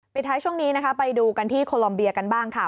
ท้ายช่วงนี้นะคะไปดูกันที่โคลอมเบียกันบ้างค่ะ